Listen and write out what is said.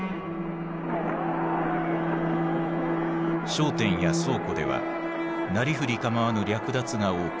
商店や倉庫ではなりふり構わぬ略奪が横行。